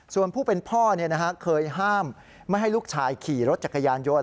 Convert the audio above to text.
ส่วนผู้เป็นพ่อเคยห้ามไม่ให้ลูกชายขี่รถจักรยานยนต์